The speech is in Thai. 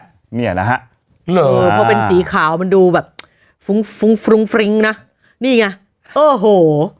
เพราะเป็นสีขาวมันดูแบบฟรุงฟริงนะนี่ไงโอ้โห